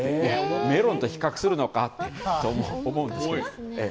メロンと比較するのかと思うんですけど。